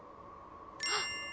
あっ！